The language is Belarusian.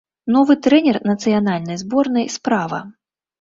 Новы трэнер нацыянальнай зборнай справа.